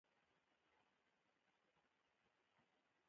سیلاني ځایونه د افغان ښځو په ژوند کې رول لري.